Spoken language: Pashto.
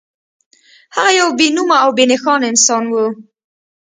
هغه يو بې نومه او بې نښانه انسان و.